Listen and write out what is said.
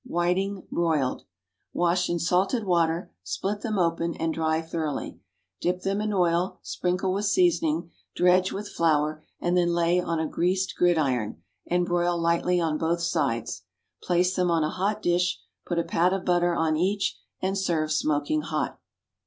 =Whiting, Broiled.= Wash in salted water, split them open, and dry thoroughly. Dip them in oil, sprinkle with seasoning, dredge with flour, and then lay on a greased gridiron, and broil lightly on both sides. Place them on a hot dish, put a pat of butter on each, and serve smoking hot.